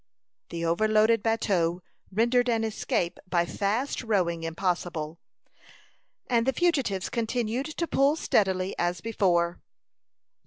The overloaded bateau rendered an escape by fast rowing impossible, and the fugitives continued to pull steadily, as before.